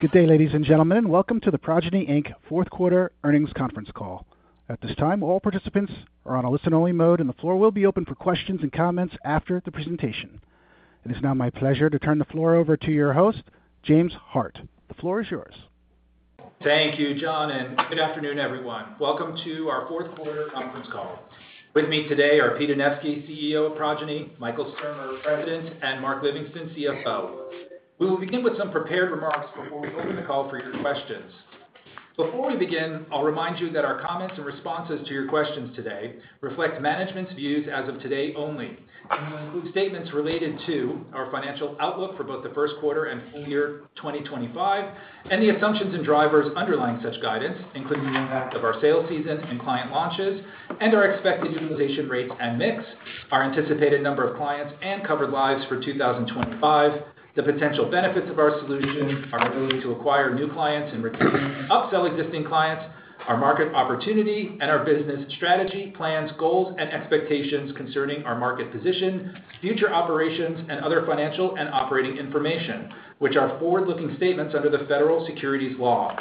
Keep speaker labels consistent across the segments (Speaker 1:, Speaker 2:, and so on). Speaker 1: Good day, ladies and gentlemen, and welcome to the Progyny Inc Fourth Quarter Earnings conference call. At this time, all participants are on a listen-only mode, and the floor will be open for questions and comments after the presentation. It is now my pleasure to turn the floor over to your host, James Hart. The floor is yours.
Speaker 2: Thank you, John, and good afternoon, everyone. Welcome to our Fourth Quarter Conference Call. With me today are Peter Anevski, CEO of Progyny; Michael Sturmer President; and Mark Livingston, CFO. We will begin with some prepared remarks before we open the call for your questions. Before we begin, I'll remind you that our comments and responses to your questions today reflect management's views as of today only and will include statements related to our financial outlook for both the first quarter and full year 2025, and the assumptions and drivers underlying such guidance, including the impact of our sales season and client launches, and our expected utilization rates and mix, our anticipated number of clients and covered lives for 2025, the potential benefits of our solution, our ability to acquire new clients and retain and upsell existing clients, our market opportunity, and our business strategy, plans, goals, and expectations concerning our market position, future operations, and other financial and operating information, which are forward-looking statements under the federal securities law.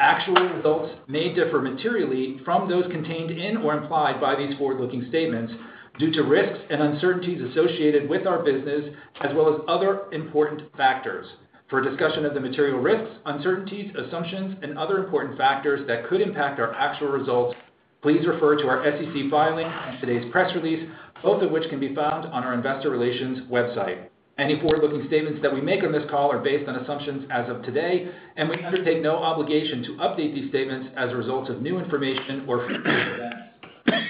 Speaker 2: Actual results may differ materially from those contained in or implied by these forward-looking statements due to risks and uncertainties associated with our business, as well as other important factors. For discussion of the material risks, uncertainties, assumptions, and other important factors that could impact our actual results, please refer to our SEC filing and today's press release, both of which can be found on our investor relations website. Any forward-looking statements that we make on this call are based on assumptions as of today, and we undertake no obligation to update these statements as a result of new information or future events.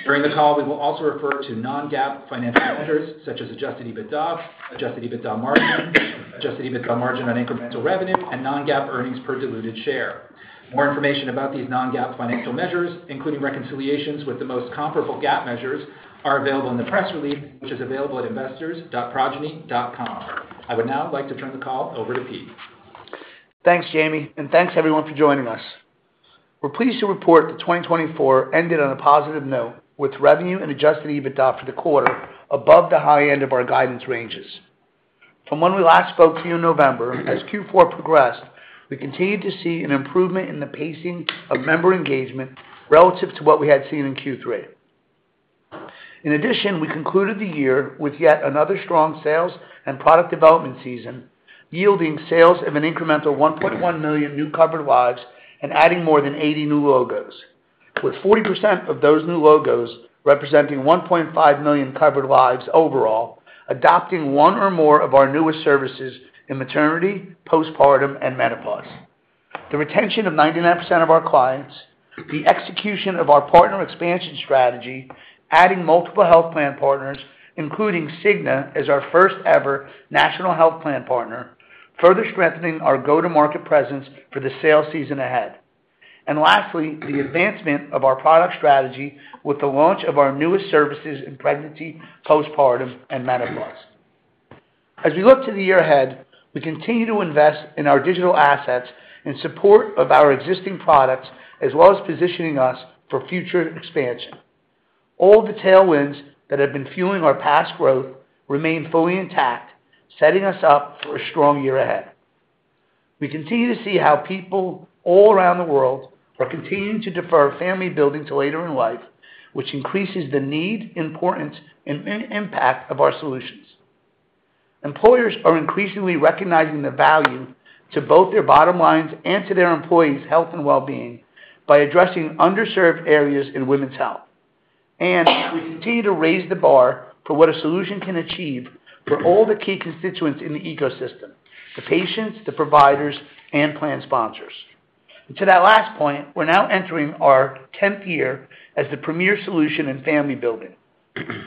Speaker 2: During the call, we will also refer to non-GAAP financial measures such as Adjusted EBITDA, Adjusted EBITDA margin, Adjusted EBITDA margin on incremental revenue, and non-GAAP earnings per diluted share. More information about these non-GAAP financial measures, including reconciliations with the most comparable GAAP measures, are available in the press release, which is available at investors.progyny.com. I would now like to turn the call over to Pete.
Speaker 3: Thanks, Jamie, and thanks, everyone, for joining us. We're pleased to report that 2024 ended on a positive note, with revenue and Adjusted EBITDA for the quarter above the high end of our guidance ranges. From when we last spoke to you in November, as Q4 progressed, we continued to see an improvement in the pacing of member engagement relative to what we had seen in Q3. In addition, we concluded the year with yet another strong sales and product development season, yielding sales of an incremental 1.1 million new covered lives and adding more than 80 new logos, with 40% of those new logos representing 1.5 million covered lives overall, adopting one or more of our newest services in maternity, postpartum, and menopause. The retention of 99% of our clients, the execution of our partner expansion strategy, adding multiple health plan partners, including Cigna as our first-ever national health plan partner, further strengthening our go-to-market presence for the sales season ahead, and lastly, the advancement of our product strategy with the launch of our newest services in pregnancy, postpartum, and menopause. As we look to the year ahead, we continue to invest in our digital assets in support of our existing products, as well as positioning us for future expansion. All the tailwinds that have been fueling our past growth remain fully intact, setting us up for a strong year ahead. We continue to see how people all around the world are continuing to defer family building to later in life, which increases the need, importance, and impact of our solutions. Employers are increasingly recognizing the value to both their bottom lines and to their employees' health and well-being by addressing underserved areas in women's health. And we continue to raise the bar for what a solution can achieve for all the key constituents in the ecosystem: the patients, the providers, and plan sponsors. To that last point, we're now entering our 10th year as the premier solution in family building.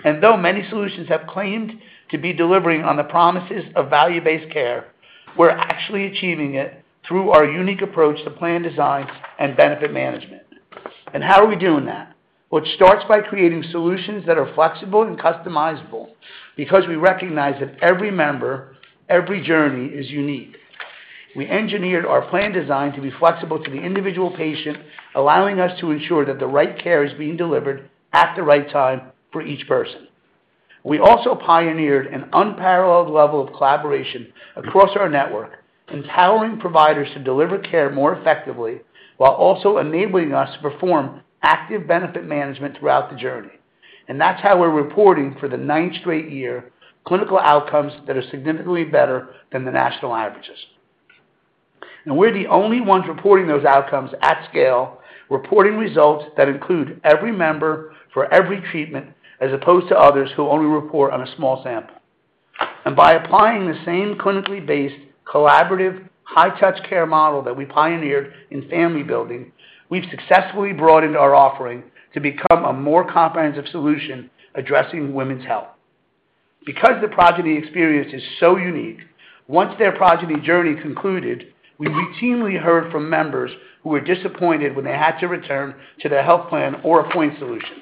Speaker 3: And though many solutions have claimed to be delivering on the promises of value-based care, we're actually achieving it through our unique approach to plan design and benefit management. And how are we doing that? Well, it starts by creating solutions that are flexible and customizable because we recognize that every member, every journey is unique. We engineered our plan design to be flexible to the individual patient, allowing us to ensure that the right care is being delivered at the right time for each person. We also pioneered an unparalleled level of collaboration across our network, empowering providers to deliver care more effectively while also enabling us to perform active benefit management throughout the journey. And that's how we're reporting for the ninth straight year: clinical outcomes that are significantly better than the national averages. And we're the only ones reporting those outcomes at scale, reporting results that include every member for every treatment, as opposed to others who only report on a small sample. And by applying the same clinically-based collaborative high-touch care model that we pioneered in family building, we've successfully broadened our offering to become a more comprehensive solution addressing women's health. Because the Progyny experience is so unique, once their Progyny journey concluded, we routinely heard from members who were disappointed when they had to return to the health plan or a point solution.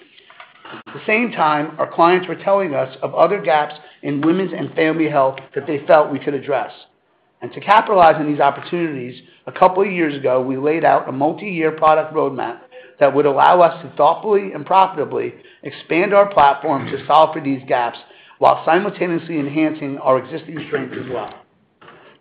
Speaker 3: At the same time, our clients were telling us of other gaps in women's and family health that they felt we could address, and to capitalize on these opportunities, a couple of years ago, we laid out a multi-year product roadmap that would allow us to thoughtfully and profitably expand our platform to solve for these gaps while simultaneously enhancing our existing strengths as well.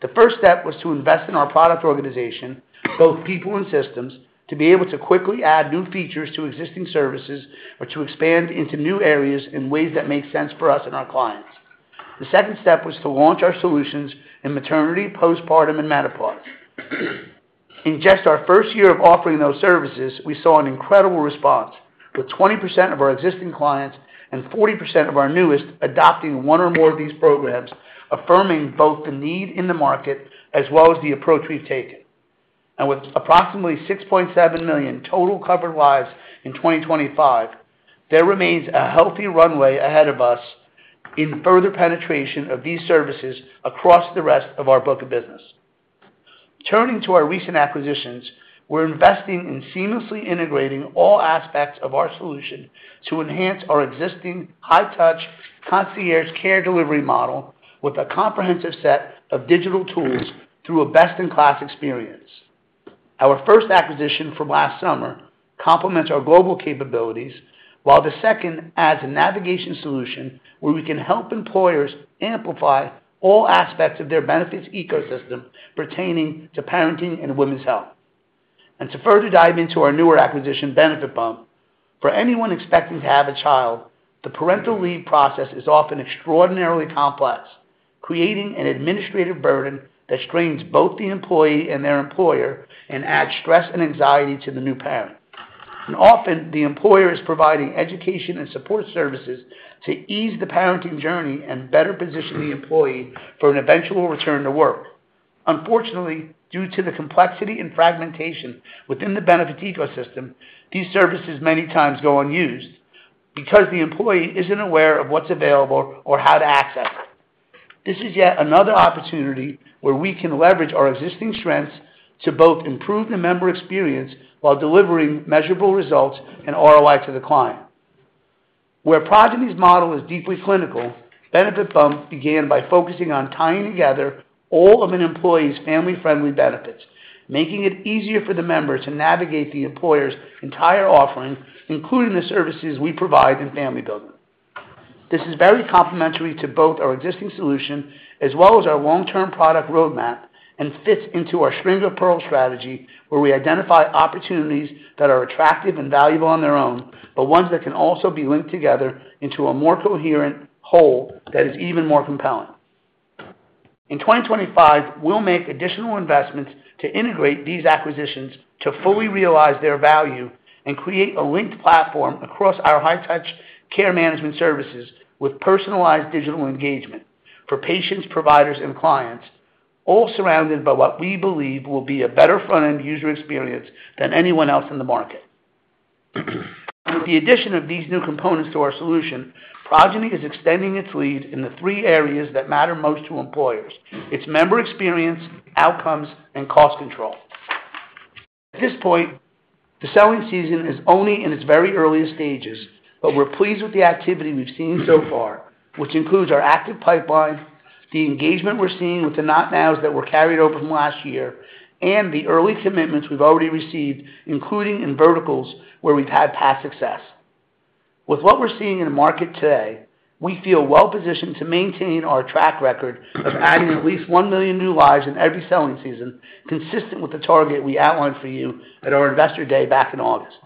Speaker 3: The first step was to invest in our product organization, both people and systems, to be able to quickly add new features to existing services or to expand into new areas in ways that make sense for us and our clients. The second step was to launch our solutions in maternity, postpartum, and menopause. In just our first year of offering those services, we saw an incredible response, with 20% of our existing clients and 40% of our newest adopting one or more of these programs, affirming both the need in the market as well as the approach we've taken. And with approximately 6.7 million total covered lives in 2025, there remains a healthy runway ahead of us in further penetration of these services across the rest of our book of business. Turning to our recent acquisitions, we're investing in seamlessly integrating all aspects of our solution to enhance our existing high-touch concierge care delivery model with a comprehensive set of digital tools through a best-in-class experience. Our first acquisition from last summer complements our global capabilities, while the second adds a navigation solution where we can help employers amplify all aspects of their benefits ecosystem pertaining to parenting and women's health, and to further dive into our newer acquisition, BenefitBump, for anyone expecting to have a child, the parental leave process is often extraordinarily complex, creating an administrative burden that strains both the employee and their employer and adds stress and anxiety to the new parent, and often, the employer is providing education and support services to ease the parenting journey and better position the employee for an eventual return to work. Unfortunately, due to the complexity and fragmentation within the benefit ecosystem, these services many times go unused because the employee isn't aware of what's available or how to access it. This is yet another opportunity where we can leverage our existing strengths to both improve the member experience while delivering measurable results and ROI to the client. Where Progyny's model is deeply clinical, BenefitBump began by focusing on tying together all of an employee's family-friendly benefits, making it easier for the member to navigate the employer's entire offering, including the services we provide in family building. This is very complementary to both our existing solution as well as our long-term product roadmap and fits into our string of pearls strategy where we identify opportunities that are attractive and valuable on their own, but ones that can also be linked together into a more coherent whole that is even more compelling. In 2025, we'll make additional investments to integrate these acquisitions to fully realize their value and create a linked platform across our high-touch care management services with personalized digital engagement for patients, providers, and clients, all surrounded by what we believe will be a better front-end user experience than anyone else in the market. With the addition of these new components to our solution, Progyny is extending its lead in the three areas that matter most to employers: its member experience, outcomes, and cost control. At this point, the selling season is only in its very earliest stages, but we're pleased with the activity we've seen so far, which includes our active pipeline, the engagement we're seeing with the not-nows that were carried over from last year, and the early commitments we've already received, including in verticals where we've had past success. With what we're seeing in the market today, we feel well-positioned to maintain our track record of adding at least 1 million new lives in every selling season, consistent with the target we outlined for you at our Investor Day back in August.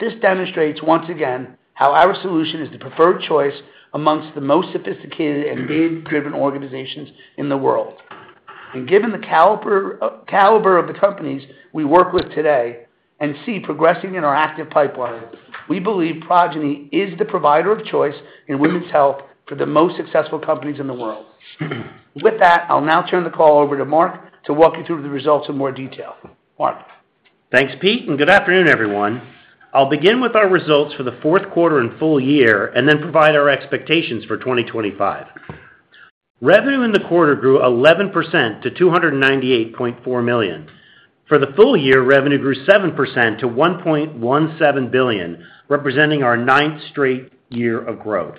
Speaker 3: This demonstrates once again how our solution is the preferred choice amongst the most sophisticated and data-driven organizations in the world. And given the caliber of the companies we work with today and see progressing in our active pipeline, we believe Progyny is the provider of choice in women's health for the most successful companies in the world. With that, I'll now turn the call over to Mark to walk you through the results in more detail. Mark.
Speaker 4: Thanks, Pete, and good afternoon, everyone. I'll begin with our results for the fourth quarter and full year and then provide our expectations for 2025. Revenue in the quarter grew 11% to $298.4 million. For the full year, revenue grew 7% to $1.17 billion, representing our ninth straight year of growth.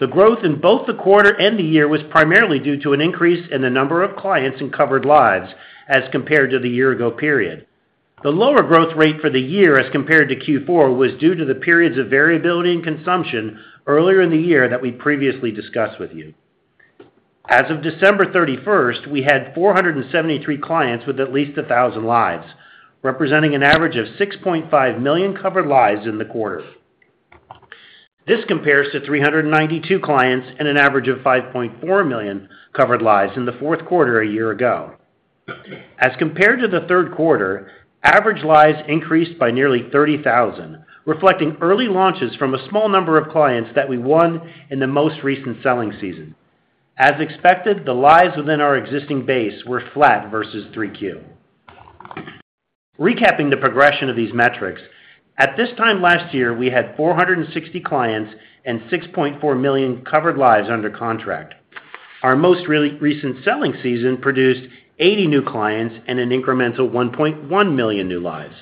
Speaker 4: The growth in both the quarter and the year was primarily due to an increase in the number of clients and covered lives as compared to the year-ago period. The lower growth rate for the year as compared to Q4 was due to the periods of variability and consumption earlier in the year that we previously discussed with you. As of December 31st, we had 473 clients with at least 1,000 lives, representing an average of 6.5 million covered lives in the quarter. This compares to 392 clients and an average of 5.4 million covered lives in the fourth quarter a year ago. As compared to the third quarter, average lives increased by nearly 30,000, reflecting early launches from a small number of clients that we won in the most recent selling season. As expected, the lives within our existing base were flat versus 3Q. Recapping the progression of these metrics, at this time last year, we had 460 clients and 6.4 million covered lives under contract. Our most recent selling season produced 80 new clients and an incremental 1.1 million new lives.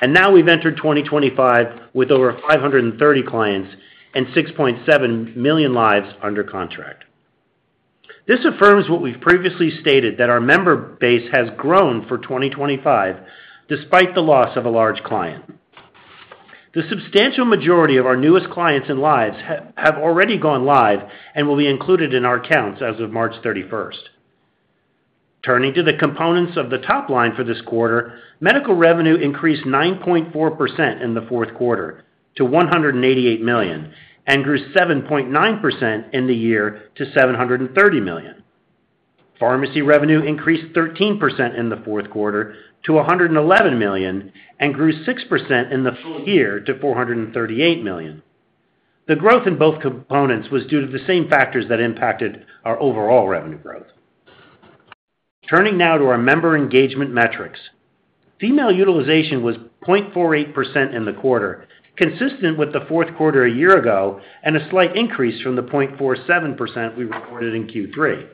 Speaker 4: And now we've entered 2025 with over 530 clients and 6.7 million lives under contract. This affirms what we've previously stated, that our member base has grown for 2025 despite the loss of a large client. The substantial majority of our newest clients and lives have already gone live and will be included in our counts as of March 31st. Turning to the components of the top line for this quarter, medical revenue increased 9.4% in the fourth quarter to $188 million and grew 7.9% in the year to $730 million. Pharmacy revenue increased 13% in the fourth quarter to $111 million and grew 6% in the full year to $438 million. The growth in both components was due to the same factors that impacted our overall revenue growth. Turning now to our member engagement metrics, female utilization was 0.48% in the quarter, consistent with the fourth quarter a year ago and a slight increase from the 0.47% we reported in Q3.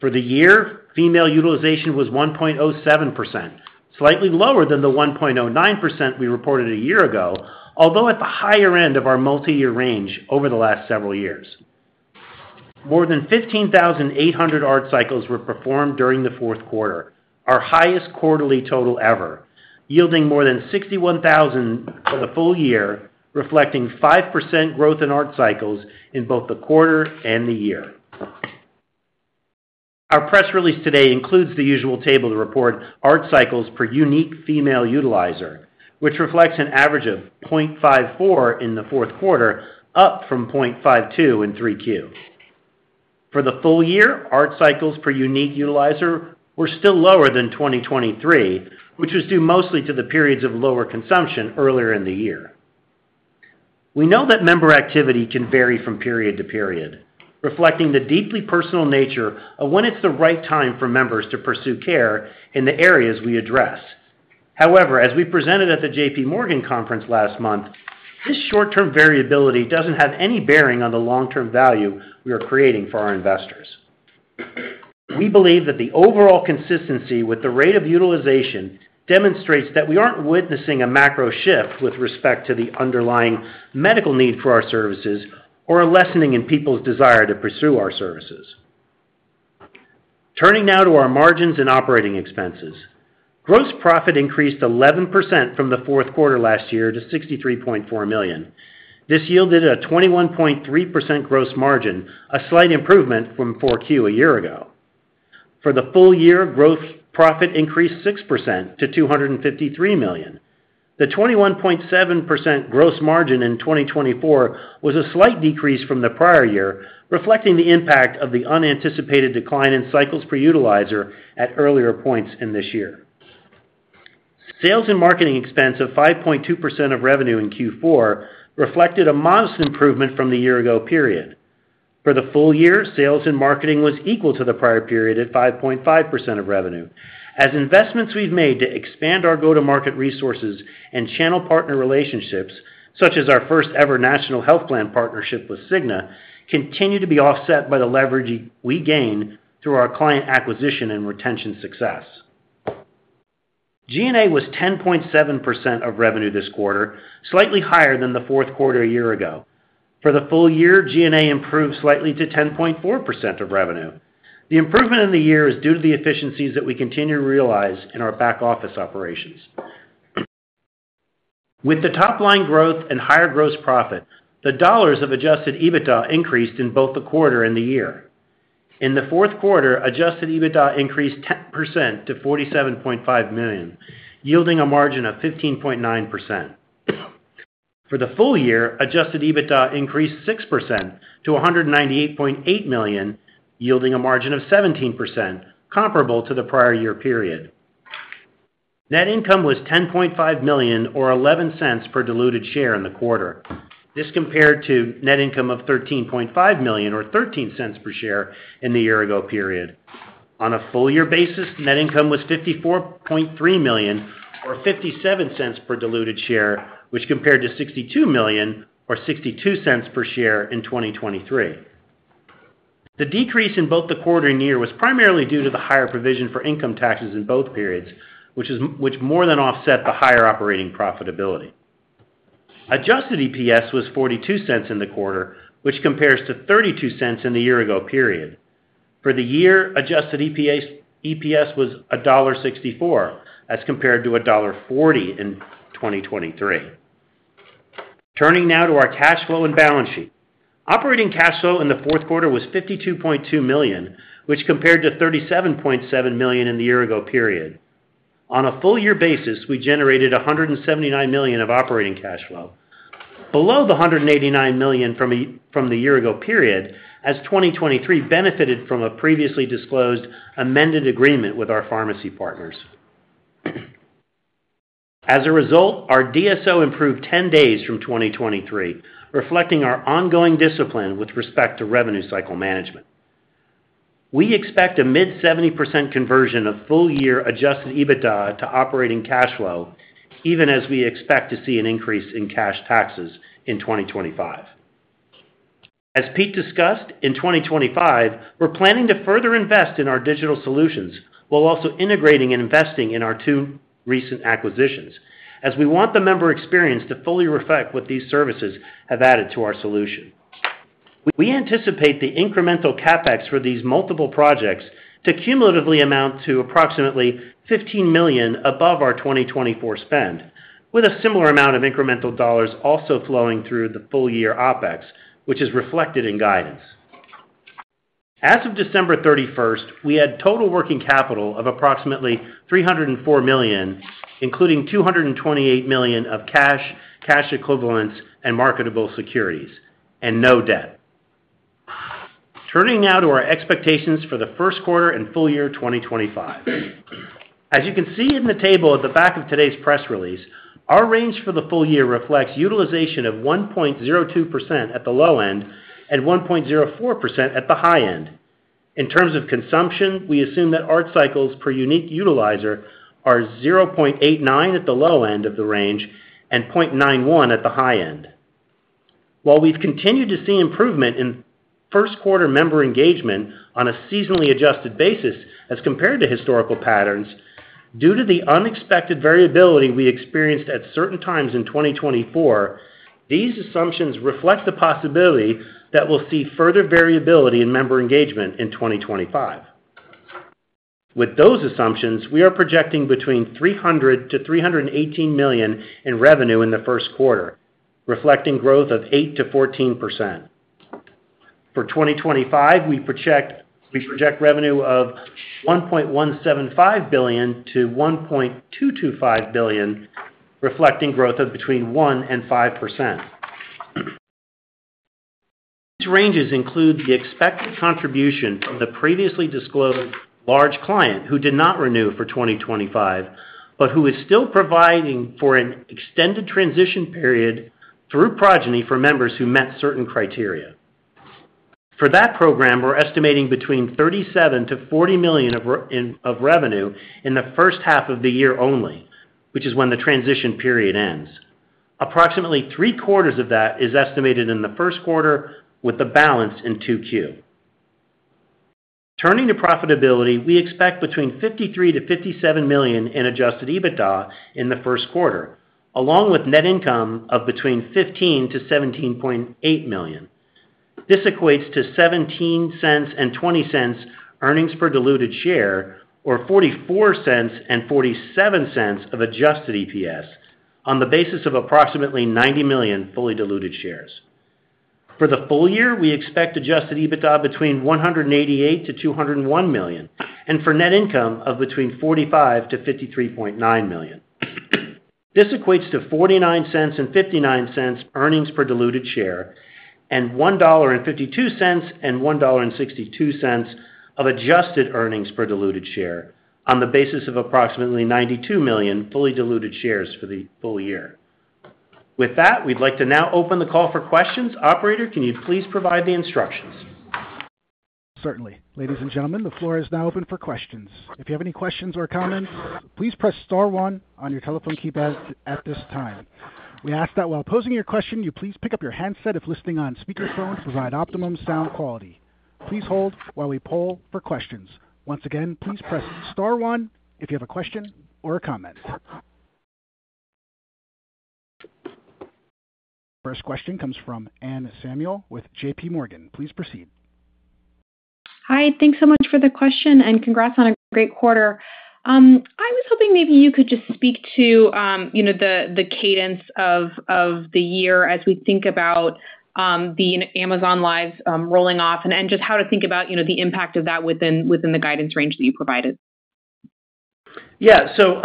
Speaker 4: For the year, female utilization was 1.07%, slightly lower than the 1.09% we reported a year ago, although at the higher end of our multi-year range over the last several years. More than 15,800 ART cycles were performed during the fourth quarter, our highest quarterly total ever, yielding more than 61,000 for the full year, reflecting 5% growth in ART cycles in both the quarter and the year. Our press release today includes the usual table to report ART cycles per unique female utilizer, which reflects an average of 0.54 in the fourth quarter, up from 0.52 in 3Q. For the full year, ART cycles per unique utilizer were still lower than 2023, which was due mostly to the periods of lower consumption earlier in the year. We know that member activity can vary from period to period, reflecting the deeply personal nature of when it's the right time for members to pursue care in the areas we address. However, as we presented at the JPMorgan Conference last month, this short-term variability doesn't have any bearing on the long-term value we are creating for our investors. We believe that the overall consistency with the rate of utilization demonstrates that we aren't witnessing a macro shift with respect to the underlying medical need for our services or a lessening in people's desire to pursue our services. Turning now to our margins and operating expenses, gross profit increased 11% from the fourth quarter last year to $63.4 million. This yielded a 21.3% gross margin, a slight improvement from 4Q a year ago. For the full year, gross profit increased 6% to $253 million. The 21.7% gross margin in 2024 was a slight decrease from the prior year, reflecting the impact of the unanticipated decline in cycles per utilizer at earlier points in this year. Sales and marketing expense of 5.2% of revenue in Q4 reflected a modest improvement from the year-ago period. For the full year, sales and marketing was equal to the prior period at 5.5% of revenue, as investments we've made to expand our go-to-market resources and channel partner relationships, such as our first-ever national health plan partnership with Cigna, continue to be offset by the leverage we gain through our client acquisition and retention success. G&A was 10.7% of revenue this quarter, slightly higher than the fourth quarter a year ago. For the full year, G&A improved slightly to 10.4% of revenue. The improvement in the year is due to the efficiencies that we continue to realize in our back-office operations. With the top-line growth and higher gross profit, the dollars of Adjusted EBITDA increased in both the quarter and the year. In the fourth quarter, Adjusted EBITDA increased 10% to $47.5 million, yielding a margin of 15.9%. For the full year, Adjusted EBITDA increased 6% to $198.8 million, yielding a margin of 17%, comparable to the prior year period. Net income was $10.5 million or $0.11 per diluted share in the quarter. This compared to net income of $13.5 million or $0.13 per share in the year-ago period. On a full-year basis, net income was $54.3 million or $0.57 per diluted share, which compared to $62 million or $0.62 per share in 2023. The decrease in both the quarter and year was primarily due to the higher provision for income taxes in both periods, which more than offset the higher operating profitability. Adjusted EPS was $0.42 in the quarter, which compares to $0.32 in the year-ago period. For the year, Adjusted EPS was $1.64 as compared to $1.40 in 2023. Turning now to our cash flow and balance sheet. Operating cash flow in the fourth quarter was $52.2 million, which compared to $37.7 million in the year-ago period. On a full-year basis, we generated $179 million of operating cash flow, below the $189 million from the year-ago period, as 2023 benefited from a previously disclosed amended agreement with our pharmacy partners. As a result, our DSO improved 10 days from 2023, reflecting our ongoing discipline with respect to revenue cycle management. We expect a mid-70% conversion of full-year Adjusted EBITDA to operating cash flow, even as we expect to see an increase in cash taxes in 2025. As Pete discussed, in 2025, we're planning to further invest in our digital solutions while also integrating and investing in our two recent acquisitions, as we want the member experience to fully reflect what these services have added to our solution. We anticipate the incremental CapEx for these multiple projects to cumulatively amount to approximately $15 million above our 2024 spend, with a similar amount of incremental dollars also flowing through the full-year OpEx, which is reflected in guidance. As of December 31st, we had total working capital of approximately $304 million, including $228 million of cash, cash equivalents, and marketable securities, and no debt. Turning now to our expectations for the first quarter and full year 2025. As you can see in the table at the back of today's press release, our range for the full year reflects utilization of 1.02% at the low end and 1.04% at the high end. In terms of consumption, we assume that ART cycles per unique utilizer are 0.89 at the low end of the range and 0.91 at the high end. While we've continued to see improvement in first-quarter member engagement on a seasonally Adjusted basis as compared to historical patterns, due to the unexpected variability we experienced at certain times in 2024, these assumptions reflect the possibility that we'll see further variability in member engagement in 2025. With those assumptions, we are projecting $300 million-$318 million in revenue in the first quarter, reflecting growth of 8%-14%. For 2025, we project revenue of $1.175 billion-$1.225 billion, reflecting growth of between 1% and 5%. These ranges include the expected contribution from the previously disclosed large client who did not renew for 2025, but who is still providing for an extended transition period through Progyny for members who met certain criteria. For that program, we're estimating between $37-$40 million of revenue in the first half of the year only, which is when the transition period ends. Approximately three-quarters of that is estimated in the first quarter, with the balance in 2Q. Turning to profitability, we expect between $53-$57 million in Adjusted EBITDA in the first quarter, along with net income of between $15-$17.8 million. This equates to $0.17 and $0.20 earnings per diluted share, or $0.44 and $0.47 of Adjusted EPS, on the basis of approximately 90 million fully diluted shares. For the full year, we expect Adjusted EBITDA between $188 million-$201 million, and for net income of between $45 million-$53.9 million. This equates to $0.49 and $0.59 earnings per diluted share, and $1.52 and $1.62 of Adjusted earnings per diluted share, on the basis of approximately 92 million fully diluted shares for the full year. With that, we'd like to now open the call for questions. Operator, can you please provide the instructions?
Speaker 1: Certainly. Ladies and gentlemen, the floor is now open for questions. If you have any questions or comments, please press Star one on your telephone keypad at this time. We ask that while posing your question, you please pick up your handset if listening on speakerphone to provide optimum sound quality. Please hold while we poll for questions. Once again, please press Star one if you have a question or a comment. First question comes from Anne Samuel with JPMorgan. Please proceed.
Speaker 5: Hi. Thanks so much for the question, and congrats on a great quarter. I was hoping maybe you could just speak to the cadence of the year as we think about the Amazon lives rolling off, and just how to think about the impact of that within the guidance range that you provided.
Speaker 4: Yeah. So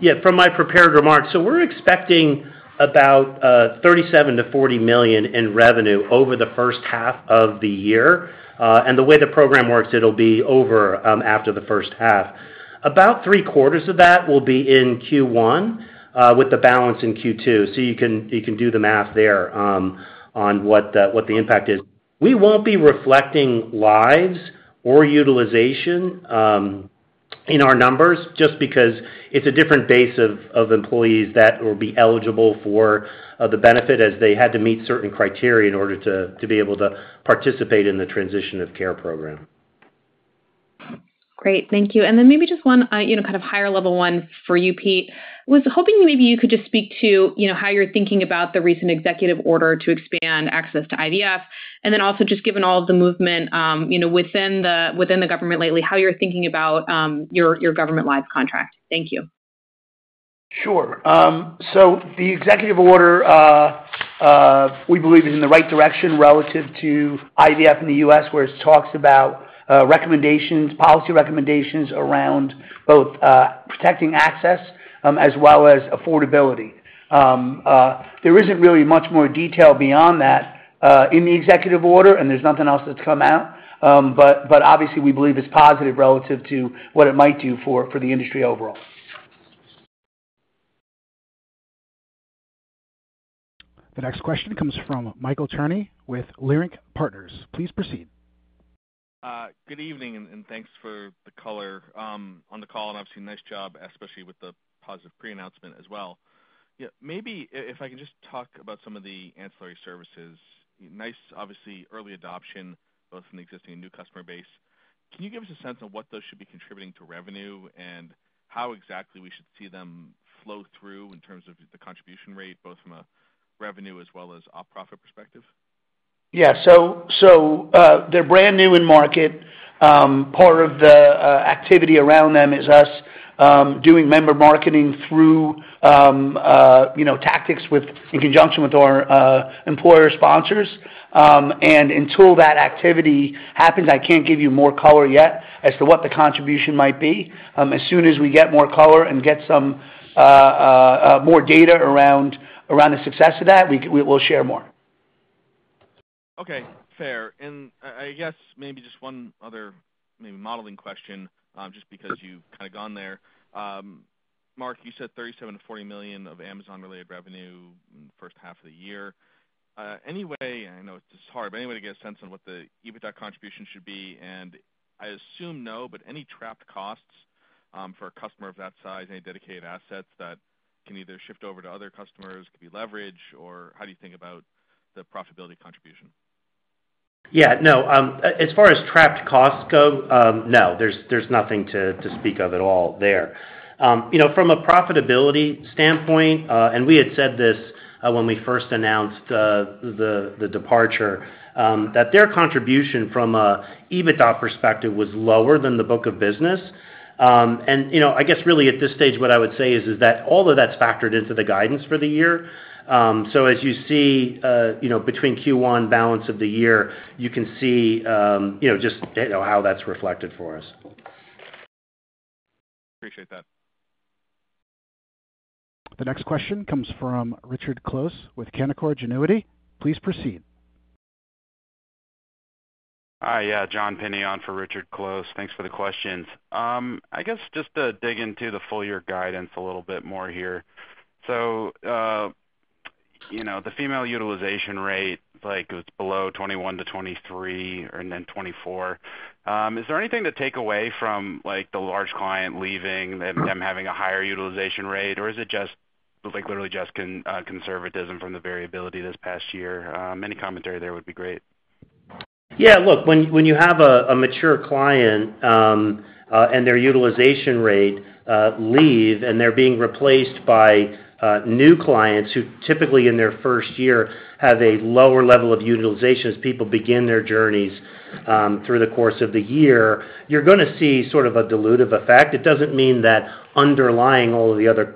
Speaker 4: yeah, from my prepared remarks, so we're expecting about $37 million-$40 million in revenue over the first half of the year. And the way the program works, it'll be over after the first half. About three-quarters of that will be in Q1, with the balance in Q2. So you can do the math there on what the impact is. We won't be reflecting lives or utilization in our numbers just because it's a different base of employees that will be eligible for the benefit as they had to meet certain criteria in order to be able to participate in the transition of care program.
Speaker 5: Great. Thank you. And then maybe just one kind of higher-level one for you, Pete. I was hoping maybe you could just speak to how you're thinking about the recent executive order to expand access to IVF, and then also just given all of the movement within the government lately, how you're thinking about your government lives contract. Thank you.
Speaker 3: Sure. So the executive order, we believe, is in the right direction relative to IVF in the U.S., where it talks about recommendations, policy recommendations around both protecting access as well as affordability. There isn't really much more detail beyond that in the executive order, and there's nothing else that's come out. But obviously, we believe it's positive relative to what it might do for the industry overall.
Speaker 1: The next question comes from Michael Cherny with Leerink Partners. Please proceed.
Speaker 6: Good evening, and thanks for the color on the call. And obviously, nice job, especially with the positive pre-announcement as well. Yeah. Maybe if I can just talk about some of the ancillary services. Nice, obviously, early adoption, both in the existing and new customer base. Can you give us a sense of what those should be contributing to revenue and how exactly we should see them flow through in terms of the contribution rate, both from a revenue as well as a profit perspective?
Speaker 3: Yeah. So they're brand new in market. Part of the activity around them is us doing member marketing through tactics in conjunction with our employer sponsors. And until that activity happens, I can't give you more color yet as to what the contribution might be. As soon as we get more color and get some more data around the success of that, we'll share more.
Speaker 6: Okay. Fair. And I guess maybe just one other maybe modeling question, just because you've kind of gone there. Mark, you said $37 million-$40 million of Amazon-related revenue in the first half of the year. Anyway, I know it's just hard, but anyway, to get a sense on what the EBITDA contribution should be, and I assume no, but any trapped costs for a customer of that size, any dedicated assets that can either shift over to other customers, could be leveraged, or how do you think about the profitability contribution?
Speaker 4: Yeah. No. As far as trapped costs go, no, there's nothing to speak of at all there. From a profitability standpoint, and we had said this when we first announced the departure, that their contribution from an EBITDA perspective was lower than the book of business. And I guess really at this stage, what I would say is that all of that's factored into the guidance for the year. So as you see between Q1, balance of the year, you can see just how that's reflected for us.
Speaker 6: Appreciate that.
Speaker 1: The next question comes from Richard Close with Canaccord Genuity. Please proceed.
Speaker 7: Hi. Yeah. John Penney for Richard Close. Thanks for the questions. I guess just to dig into the full-year guidance a little bit more here. So the female utilization rate, it was below 2.1 to 2.3 and then 2.4. Is there anything to take away from the large client leaving and them having a higher utilization rate, or is it just literally just conservatism from the variability this past year? Any commentary there would be great.
Speaker 4: Yeah. Look, when you have a mature client and their utilization rate leave, and they're being replaced by new clients who typically in their first year have a lower level of utilization as people begin their journeys through the course of the year, you're going to see sort of a dilutive effect. It doesn't mean that underlying all of the other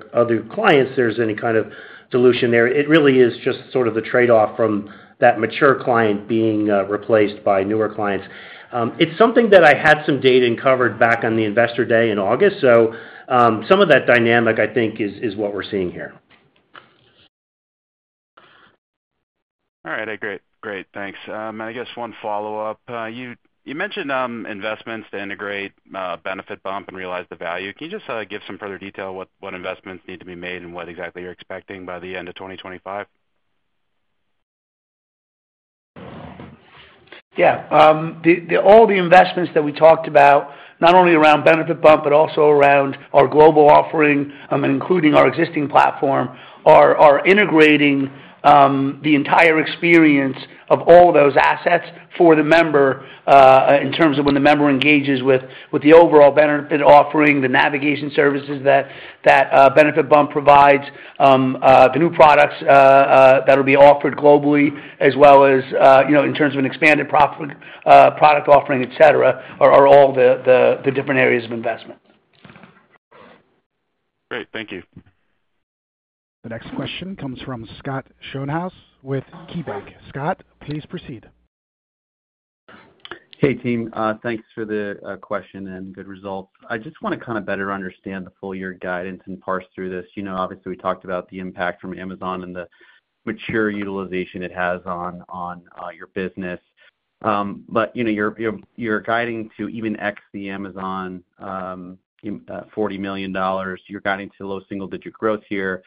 Speaker 4: clients, there's any kind of dilution there. It really is just sort of the trade-off from that mature client being replaced by newer clients. It's something that I had some data and covered back on the investor day in August. So some of that dynamic, I think, is what we're seeing here.
Speaker 7: All right. Great. Great. Thanks. And I guess one follow-up. You mentioned investments to integrate BenefitBump and realize the value. Can you just give some further detail of what investments need to be made and what exactly you're expecting by the end of 2025?
Speaker 3: Yeah. All the investments that we talked about, not only around BenefitBump, but also around our global offering, including our existing platform, are integrating the entire experience of all those assets for the member in terms of when the member engages with the overall benefit offering, the navigation services that BenefitBump provides, the new products that will be offered globally, as well as in terms of an expanded product offering, etc., are all the different areas of investment.
Speaker 7: Great. Thank you.
Speaker 1: The next question comes from Scott Schoenhaus with KeyBanc. Scott, please proceed.
Speaker 8: Hey, team. Thanks for the question and good results. I just want to kind of better understand the full-year guidance and parse through this. Obviously, we talked about the impact from Amazon and the mature utilization it has on your business. But you're guiding to even ex the Amazon $40 million. You're guiding to low single-digit growth here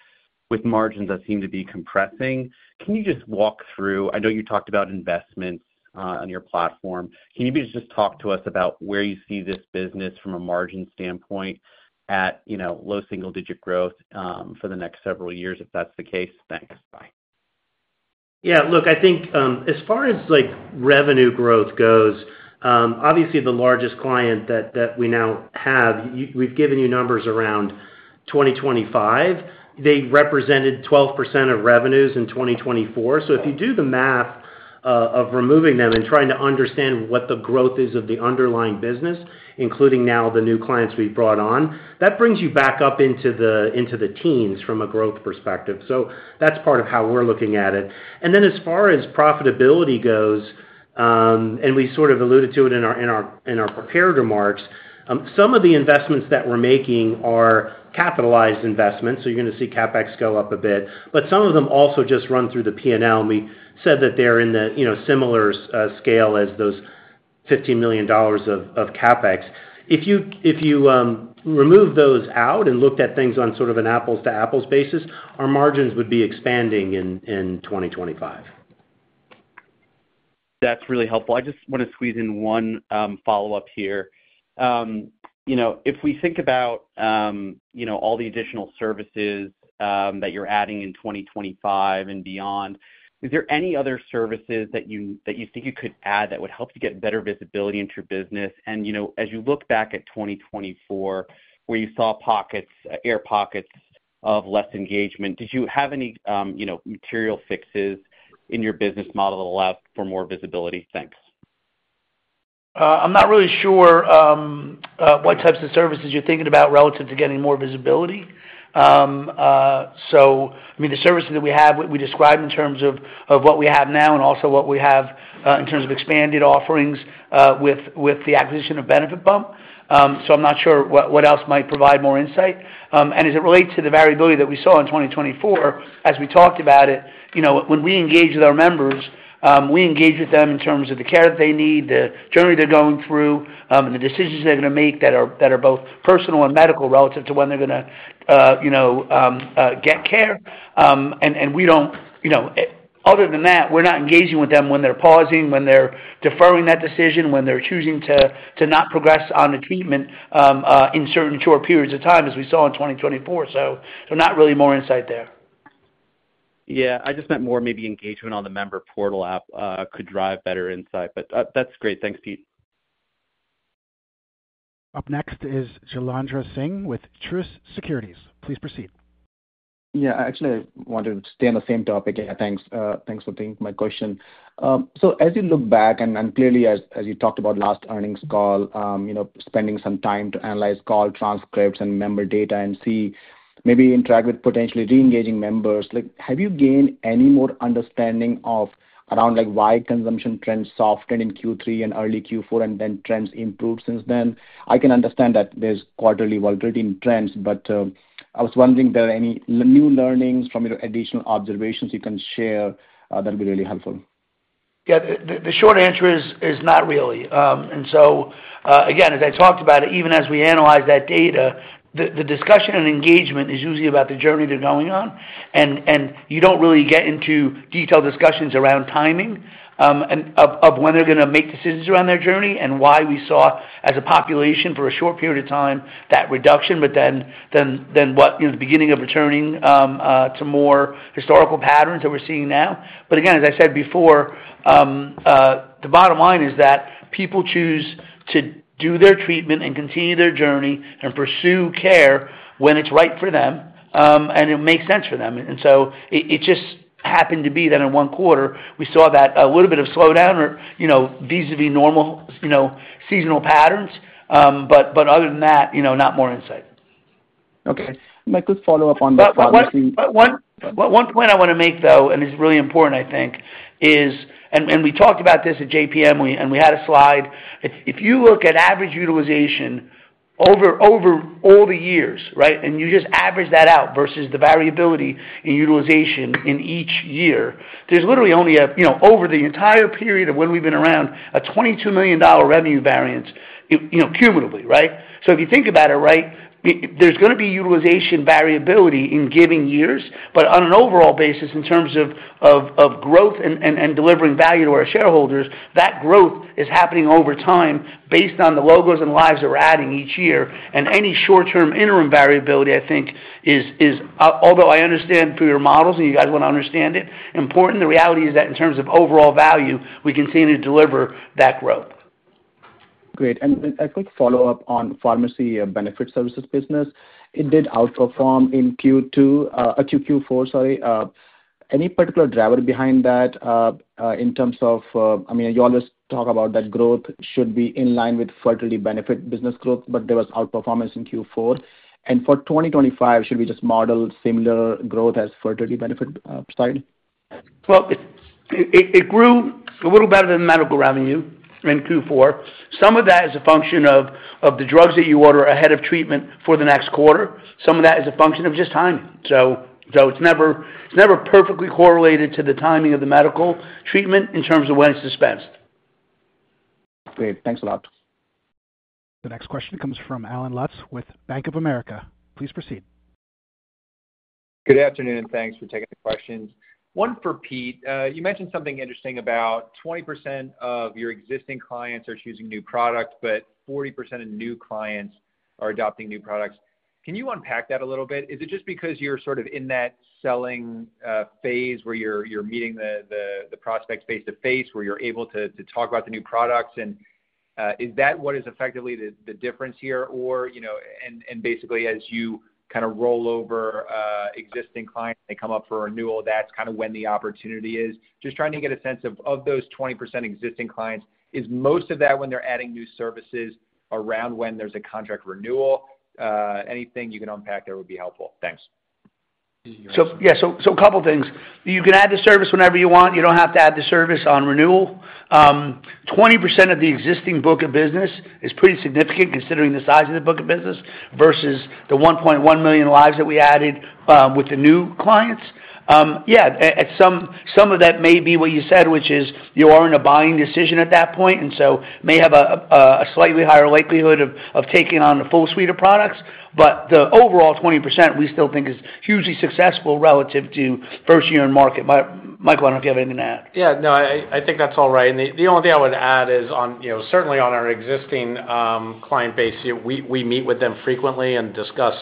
Speaker 8: with margins that seem to be compressing. Can you just walk through? I know you talked about investments on your platform. Can you just talk to us about where you see this business from a margin standpoint at low single-digit growth for the next several years if that's the case? Thanks. Bye.
Speaker 4: Yeah. Look, I think as far as revenue growth goes, obviously, the largest client that we now have, we've given you numbers around 2025. They represented 12% of revenues in 2024. So if you do the math of removing them and trying to understand what the growth is of the underlying business, including now the new clients we've brought on, that brings you back up into the teens from a growth perspective. So that's part of how we're looking at it. And then as far as profitability goes, and we sort of alluded to it in our prepared remarks, some of the investments that we're making are capitalized investments. So you're going to see CapEx go up a bit. But some of them also just run through the P&L. And we said that they're in the similar scale as those $15 million of CapEx. If you remove those out and looked at things on sort of an apples-to-apples basis, our margins would be expanding in 2025.
Speaker 8: That's really helpful. I just want to squeeze in one follow-up here. If we think about all the additional services that you're adding in 2025 and beyond, is there any other services that you think you could add that would help you get better visibility into your business? And as you look back at 2024, where you saw air pockets of less engagement, did you have any material fixes in your business model that allowed for more visibility? Thanks.
Speaker 3: I'm not really sure what types of services you're thinking about relative to getting more visibility. So I mean, the services that we have, we described in terms of what we have now and also what we have in terms of expanded offerings with the acquisition of BenefitBump. So I'm not sure what else might provide more insight. And as it relates to the variability that we saw in 2024, as we talked about it, when we engage with our members, we engage with them in terms of the care that they need, the journey they're going through, and the decisions they're going to make that are both personal and medical relative to when they're going to get care. And we don't other than that, we're not engaging with them when they're pausing, when they're deferring that decision, when they're choosing to not progress on the treatment in certain short periods of time, as we saw in 2024. So not really more insight there.
Speaker 8: Yeah. I just meant more maybe engagement on the member portal app could drive better insight. But that's great. Thanks, Pete.
Speaker 1: Up next is Jailendra Singh with Truist Securities. Please proceed.
Speaker 9: Yeah. Actually, I want to stay on the same topic. Yeah. Thanks for taking my question. So as you look back, and clearly, as you talked about last earnings call, spending some time to analyze call transcripts and member data and see maybe interact with potentially re-engaging members, have you gained any more understanding of around why consumption trends softened in Q3 and early Q4, and then trends improved since then? I can understand that there's quarterly volatility in trends, but I was wondering if there are any new learnings from your additional observations you can share that would be really helpful.
Speaker 3: Yeah. The short answer is not really. And so again, as I talked about it, even as we analyze that data, the discussion and engagement is usually about the journey they're going on. And you don't really get into detailed discussions around timing of when they're going to make decisions around their journey and why we saw, as a population for a short period of time, that reduction, but then what in the beginning of returning to more historical patterns that we're seeing now. But again, as I said before, the bottom line is that people choose to do their treatment and continue their journey and pursue care when it's right for them and it makes sense for them. And so it just happened to be that in one quarter, we saw that a little bit of slowdown or vis-à-vis normal seasonal patterns. But other than that, not more insight.
Speaker 9: Okay. Mike, let's follow up on that question.
Speaker 3: One point I want to make, though, and it's really important, I think, is and we talked about this at JPM, and we had a slide. If you look at average utilization over all the years, right, and you just average that out versus the variability in utilization in each year, there's literally only, over the entire period of when we've been around, a $22 million revenue variance cumulatively, right? So if you think about it, right, there's going to be utilization variability in given years, but on an overall basis, in terms of growth and delivering value to our shareholders, that growth is happening over time based on the logos and lives that we're adding each year. Any short-term interim variability, I think, is, although I understand through your models and you guys want to understand it, important. The reality is that in terms of overall value, we continue to deliver that growth.
Speaker 9: Great. A quick follow-up on pharmacy benefit services business. It did outperform in Q2, Q4, sorry. Any particular driver behind that in terms of, I mean, you always talk about that growth should be in line with fertility benefit business growth, but there was outperformance in Q4. For 2025, should we just model similar growth as fertility benefit side?
Speaker 3: It grew a little better than medical revenue in Q4. Some of that is a function of the drugs that you order ahead of treatment for the next quarter. Some of that is a function of just timing. So it's never perfectly correlated to the timing of the medical treatment in terms of when it's dispensed.
Speaker 9: Great. Thanks a lot.
Speaker 1: The next question comes from Allen Lutz with Bank of America. Please proceed.
Speaker 10: Good afternoon, and thanks for taking the questions. One for Pete. You mentioned something interesting about 20% of your existing clients are choosing new products, but 40% of new clients are adopting new products. Can you unpack that a little bit? Is it just because you're sort of in that selling phase where you're meeting the prospects face-to-face, where you're able to talk about the new products? And is that what is effectively the difference here? And basically, as you kind of roll over existing clients and they come up for renewal, that's kind of when the opportunity is. Just trying to get a sense of those 20% existing clients. Is most of that when they're adding new services around when there's a contract renewal? Anything you can unpack there would be helpful. Thanks.
Speaker 3: Yeah, so a couple of things. You can add the service whenever you want. You don't have to add the service on renewal. 20% of the existing book of business is pretty significant considering the size of the book of business versus the 1.1 million lives that we added with the new clients. Yeah, some of that may be what you said, which is you are in a buying decision at that point, and so may have a slightly higher likelihood of taking on a full suite of products, but the overall 20%, we still think is hugely successful relative to first-year in market. Michael, I don't know if you have anything to add.
Speaker 11: Yeah, no, I think that's all right. And the only thing I would add is, certainly on our existing client base, we meet with them frequently and discuss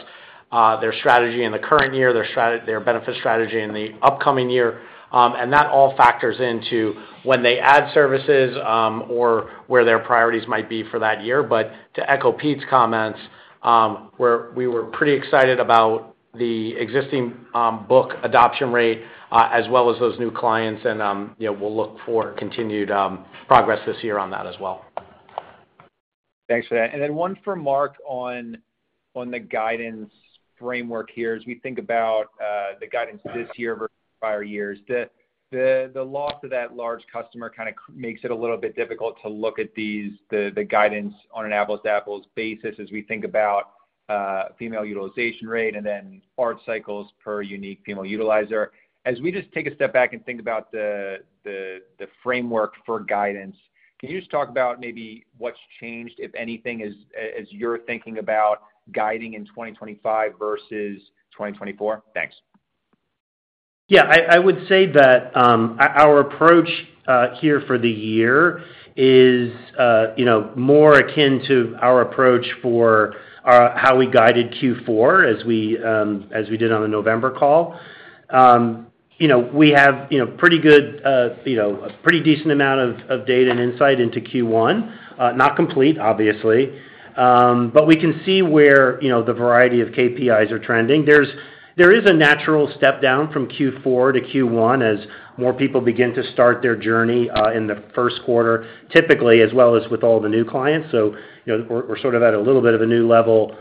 Speaker 11: their strategy in the current year, their benefit strategy in the upcoming year. And that all factors into when they add services or where their priorities might be for that year. But to echo Pete's comments, we were pretty excited about the existing book adoption rate as well as those new clients. And we'll look for continued progress this year on that as well.
Speaker 10: Thanks for that. And then one for Mark on the guidance framework here as we think about the guidance this year versus prior years. The loss of that large customer kind of makes it a little bit difficult to look at the guidance on an apples-to-apples basis as we think about female utilization rate and then ART cycles per unique female utilizer. As we just take a step back and think about the framework for guidance, can you just talk about maybe what's changed, if anything, as you're thinking about guiding in 2025 versus 2024? Thanks.
Speaker 4: Yeah. I would say that our approach here for the year is more akin to our approach for how we guided Q4 as we did on the November call. We have pretty good, pretty decent amount of data and insight into Q1. Not complete, obviously, but we can see where the variety of KPIs are trending. There is a natural step down from Q4 to Q1 as more people begin to start their journey in the first quarter, typically, as well as with all the new clients. So we're sort of at a little bit of a new level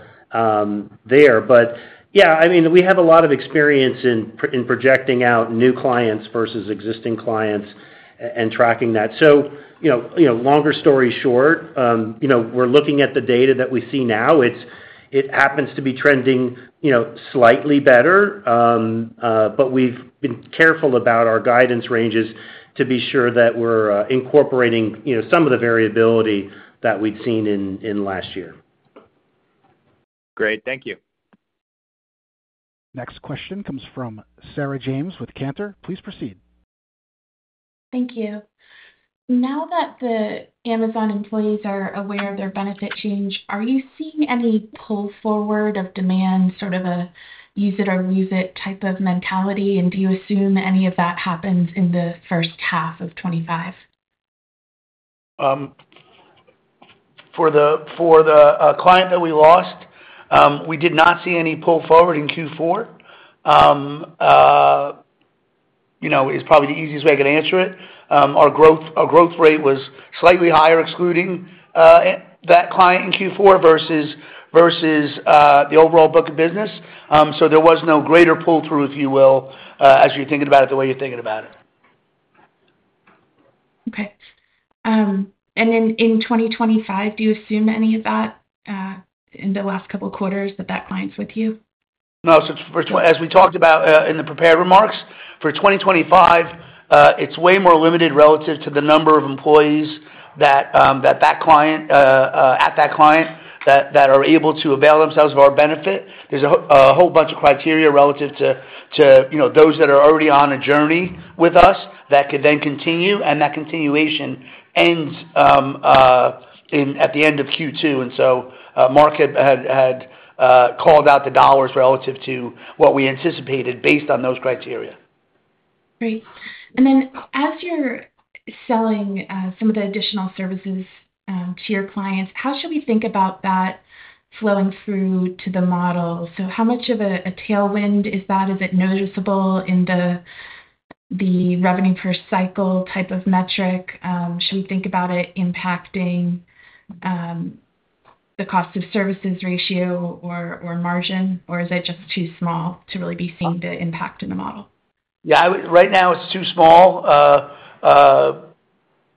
Speaker 4: there. But yeah, I mean, we have a lot of experience in projecting out new clients versus existing clients and tracking that. So longer story short, we're looking at the data that we see now. It happens to be trending slightly better. But we've been careful about our guidance ranges to be sure that we're incorporating some of the variability that we'd seen in last year.
Speaker 10: Great. Thank you.
Speaker 1: Next question comes from Sarah James with Cantor. Please proceed.
Speaker 12: Thank you. Now that the Amazon employees are aware of their benefit change, are you seeing any pull forward of demand, sort of a use-it-or-lose-it type of mentality? And do you assume any of that happens in the first half of 2025?
Speaker 3: For the client that we lost, we did not see any pull forward in Q4. It's probably the easiest way I could answer it. Our growth rate was slightly higher, excluding that client in Q4 versus the overall book of business, so there was no greater pull-through, if you will, as you're thinking about it the way you're thinking about it.
Speaker 12: Okay, and then in 2025, do you assume any of that in the last couple of quarters that that client's with you?
Speaker 3: No. As we talked about in the prepared remarks, for 2025, it's way more limited relative to the number of employees that, at that client, that are able to avail themselves of our benefit. There's a whole bunch of criteria relative to those that are already on a journey with us that could then continue, and that continuation ends at the end of Q2, and so Mark had called out the dollars relative to what we anticipated based on those criteria.
Speaker 12: Great. And then as you're selling some of the additional services to your clients, how should we think about that flowing through to the model? So how much of a tailwind is that? Is it noticeable in the revenue per cycle type of metric? Should we think about it impacting the cost of services ratio or margin? Or is it just too small to really be seeing the impact in the model?
Speaker 3: Yeah. Right now, it's too small for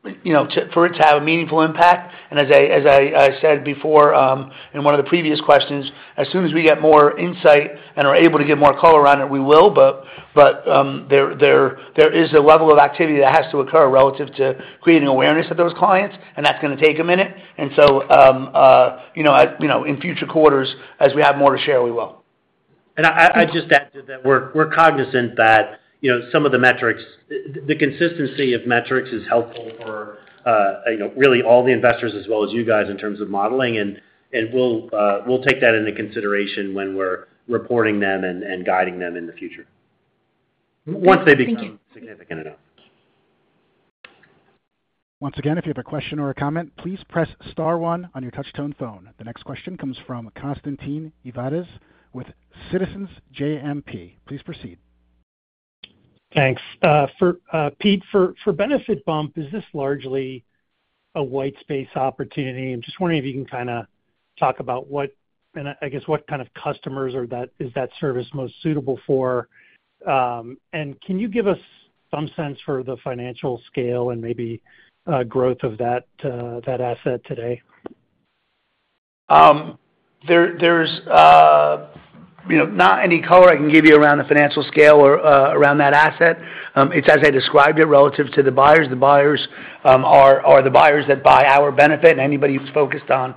Speaker 3: it to have a meaningful impact. And as I said before in one of the previous questions, as soon as we get more insight and are able to get more color on it, we will. But there is a level of activity that has to occur relative to creating awareness of those clients. And that's going to take a minute. And so in future quarters, as we have more to share, we will.
Speaker 4: And I just add to that we're cognizant that some of the metrics, the consistency of metrics is helpful for really all the investors as well as you guys in terms of modeling. And we'll take that into consideration when we're reporting them and guiding them in the future once they become significant enough.
Speaker 1: Once again, if you have a question or a comment, please press star one on your touch-tone phone. The next question comes from Constantine Davides with Citizens JMP. Please proceed.
Speaker 13: Thanks. Pete, for BenefitBump, is this largely a white space opportunity? I'm just wondering if you can kind of talk about, I guess, what kind of customers is that service most suitable for? And can you give us some sense for the financial scale and maybe growth of that asset today?
Speaker 3: There's not any color I can give you around the financial scale or around that asset. It's, as I described it, relative to the buyers. The buyers are the buyers that buy our benefit and anybody who's focused on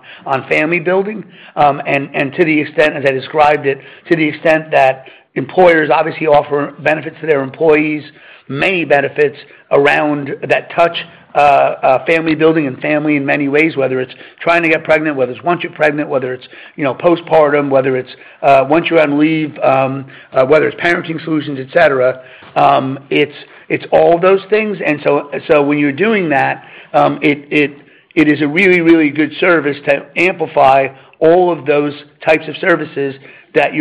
Speaker 3: family building. And to the extent, as I described it, to the extent that employers obviously offer benefits to their employees, many benefits around that touch family building and family in many ways, whether it's trying to get pregnant, whether it's once you're pregnant, whether it's postpartum, whether it's once you're on leave, whether it's parenting solutions, etc. It's all those things. And so when you're doing that, it is a really, really good service to amplify all of those types of services that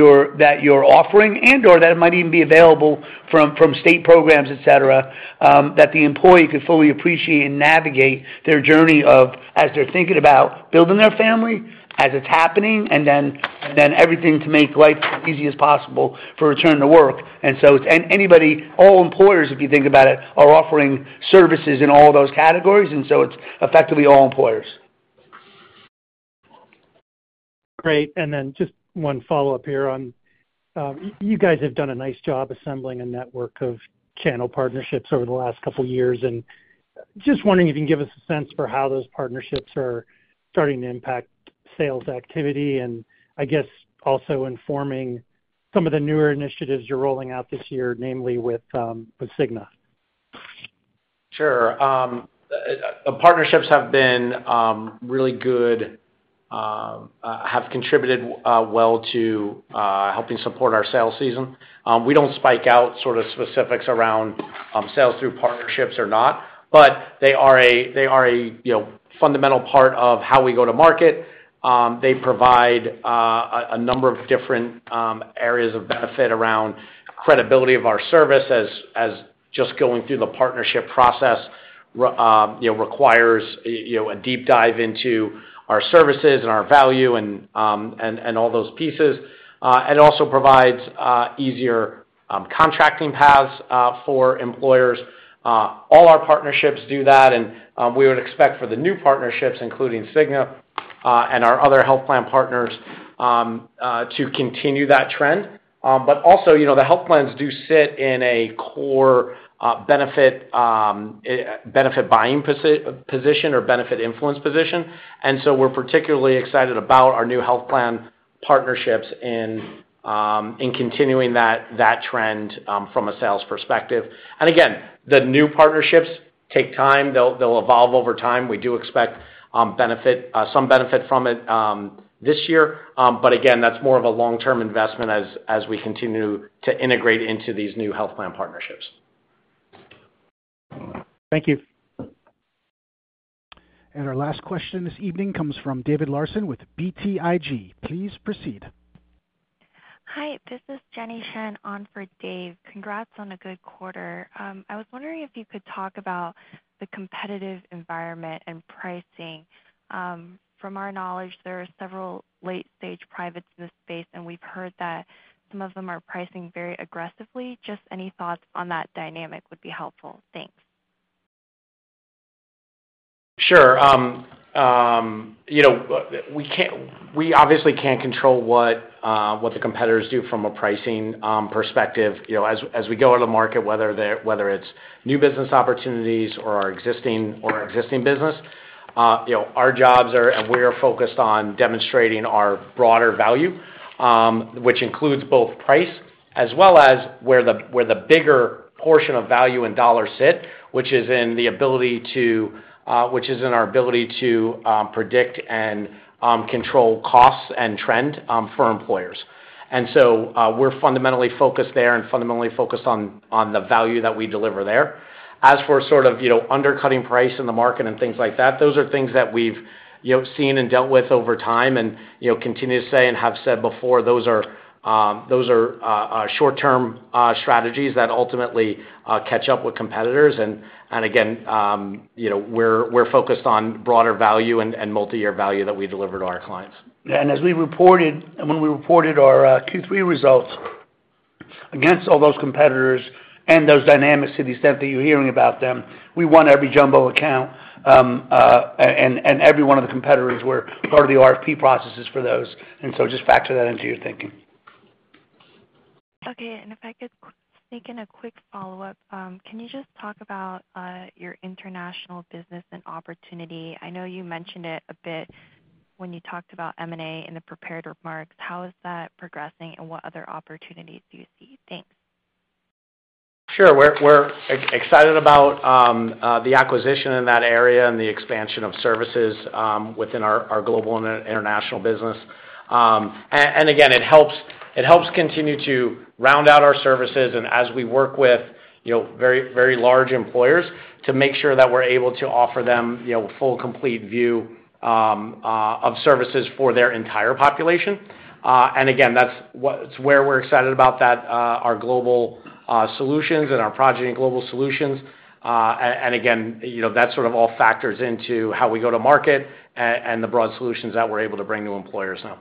Speaker 3: you're offering and/or that might even be available from state programs, etc., that the employee could fully appreciate and navigate their journey of as they're thinking about building their family as it's happening and then everything to make life as easy as possible for return to work. And so it's anybody, all employers, if you think about it, are offering services in all those categories. And so it's effectively all employers.
Speaker 13: Great. And then just one follow-up here on you guys have done a nice job assembling a network of channel partnerships over the last couple of years. Just wondering if you can give us a sense for how those partnerships are starting to impact sales activity and, I guess, also informing some of the newer initiatives you're rolling out this year, namely with Cigna.
Speaker 11: Sure. The partnerships have been really good, have contributed well to helping support our sales season. We don't break out sort of specifics around sales through partnerships or not, but they are a fundamental part of how we go to market. They provide a number of different areas of benefit around credibility of our service as just going through the partnership process requires a deep dive into our services and our value and all those pieces. It also provides easier contracting paths for employers. All our partnerships do that. We would expect for the new partnerships, including Cigna and our other health plan partners, to continue that trend. But also, the health plans do sit in a core benefit-buying position or benefit-influence position. And so we're particularly excited about our new health plan partnerships in continuing that trend from a sales perspective. And again, the new partnerships take time. They'll evolve over time. We do expect some benefit from it this year. But again, that's more of a long-term investment as we continue to integrate into these new health plan partnerships.
Speaker 13: Thank you.
Speaker 1: And our last question this evening comes from David Larsen with BTIG. Please proceed.
Speaker 14: Hi. This is Jenny Shen on for Dave. Congrats on a good quarter. I was wondering if you could talk about the competitive environment and pricing. From our knowledge, there are several late-stage privates in the space, and we've heard that some of them are pricing very aggressively. Just any thoughts on that dynamic would be helpful. Thanks.
Speaker 11: Sure. We obviously can't control what the competitors do from a pricing perspective. As we go out of the market, whether it's new business opportunities or our existing business, our jobs are and we are focused on demonstrating our broader value, which includes both price as well as where the bigger portion of value and dollar sit, which is in our ability to predict and control costs and trend for employers, and so we're fundamentally focused there and fundamentally focused on the value that we deliver there. As for sort of undercutting price in the market and things like that, those are things that we've seen and dealt with over time and continue to say and have said before. Those are short-term strategies that ultimately catch up with competitors, and again, we're focused on broader value and multi-year value that we deliver to our clients.
Speaker 3: As we reported when we reported our Q3 results against all those competitors and those dynamics to the extent that you're hearing about them, we won every jumbo account and every one of the competitors were part of the RFP processes for those. So just factor that into your thinking.
Speaker 14: Okay. If I could sneak in a quick follow-up, can you just talk about your international business and opportunity? I know you mentioned it a bit when you talked about M&A in the prepared remarks. How is that progressing and what other opportunities do you see? Thanks.
Speaker 11: Sure. We're excited about the acquisition in that area and the expansion of services within our global and international business. Again, it helps continue to round out our services. And as we work with very large employers to make sure that we're able to offer them full, complete view of services for their entire population. And again, that's where we're excited about our global solutions and our Progyny Global solutions. And again, that sort of all factors into how we go to market and the broad solutions that we're able to bring to employers now.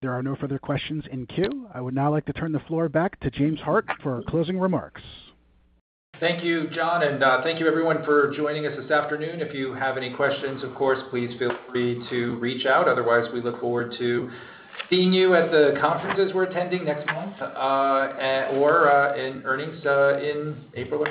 Speaker 1: There are no further questions in queue. I would now like to turn the floor back to James Hart for closing remarks.
Speaker 2: Thank you, John. And thank you, everyone, for joining us this afternoon. If you have any questions, of course, please feel free to reach out. Otherwise, we look forward to seeing you at the conferences we're attending next month or in earnings in April.